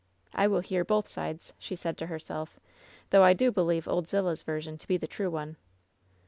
"I will hear both sides," she said to herself, "though I do believe Old Zillah's version to be the true one."